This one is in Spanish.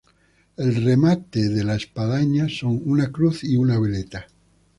El remate de la espadaña son una cruz y veleta.